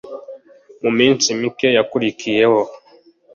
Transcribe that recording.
mu minsi mike yakurikiyeho